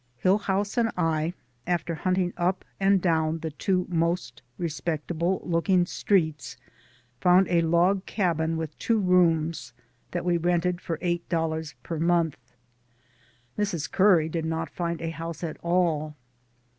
Hillhouse and I, after hunting up and down the two most respectable look ing streets, found a log cabin with two rooms that we rented for eight dollars per month. Mrs. Curry did not find a house at all.